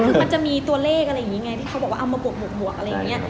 มันจะมีตัวเลขอะไรอย่างนี้ไงที่เขาบอกว่าเอามาบวกอะไรอย่างนี้